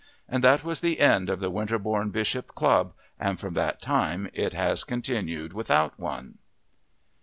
And that was the end of the Winterbourne Bishop club, and from that time it has continued without one.